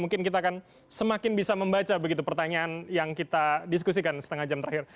mungkin kita akan semakin bisa membaca begitu pertanyaan yang kita diskusikan setengah jam terakhir